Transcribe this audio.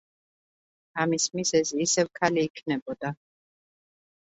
ამის მიზეზი ისევ ქალი იქნებოდა.